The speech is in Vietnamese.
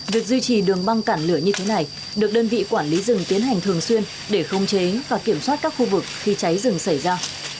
việc duy trì đường băng cản lửa như thế này được đơn vị quản lý rừng tiến hành thường xuyên để không chế và kiểm soát các khu vực khi cháy rừng xảy ra